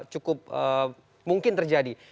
cukup mungkin terjadi